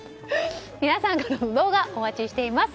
皆さんからの動画お待ちしています。